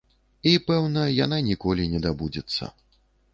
І, пэўна, яна ніколі не дабудуецца.